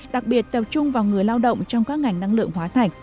đặc biệt tập trung vào người lao động trong các ngành năng lượng hóa thạch